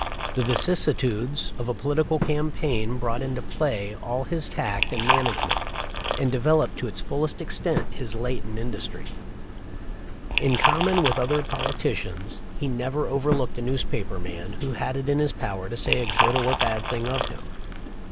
The vicissitudes of a * Robert Mosely, November 11, 1855, MS. 3/6 THE LIFE OF LINCOLN. political campaign brought into play all his tact and management and developed to its fullest extent his latent industry. In common with other politicians he never overlooked a newspaper man who had it in his power to say a good or bad thing of him.